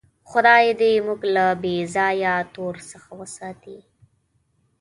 خدای دې موږ له بېځایه تور څخه وساتي.